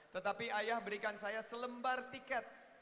tetapi ayah berikan saya selembar tiket